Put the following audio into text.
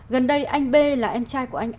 gần đây anh b là em trai của anh a